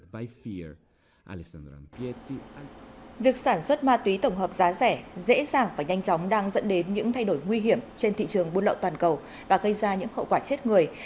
việc sản xuất ma túy tổng hợp giá rẻ dễ dàng và nhanh chóng đang dẫn đến những thay đổi nguy hiểm trên thị trường buôn lậu toàn cầu và gây ra những hậu quả chết người